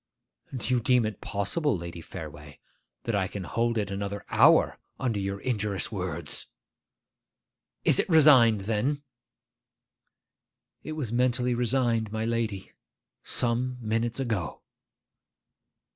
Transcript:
'Do you deem it possible, Lady Fareway, that I can hold it another hour, under your injurious words?' 'Is it resigned, then?' 'It was mentally resigned, my lady, some minutes ago.